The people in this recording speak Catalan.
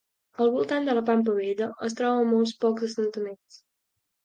Al voltant de la Pampa Bella es troba molt pocs assentaments.